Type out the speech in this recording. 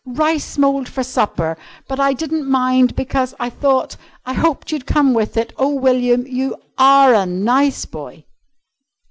"Rice mould for supper, but I didn't mind, because I thought I hoped, you'd come with it. Oh, William, you are a nice boy!"